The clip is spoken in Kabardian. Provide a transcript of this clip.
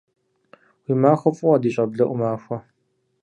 Уи махуэ фӏыуэ, ди щӏэблэ ӏумахуэ!